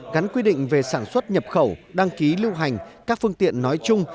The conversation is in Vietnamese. gắn quy định về sản xuất nhập khẩu đăng ký lưu hành các phương tiện nói chung